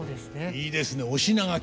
いいですね「お品書き」。